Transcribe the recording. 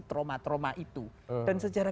trauma trauma itu dan sejarah